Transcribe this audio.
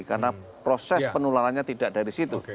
karena proses penularannya tidak dari situ